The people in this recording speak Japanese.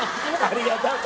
ありがとう